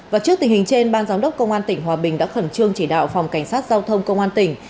và trước tình hình trên ban giám đốc công an tỉnh hòa bình đã khẩn trương chỉ đạo phòng cảnh sát giao thông công an tỉnh